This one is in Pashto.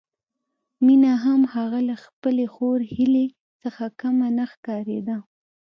مينه هم هغه له خپلې خور هيلې څخه کمه نه ښکارېده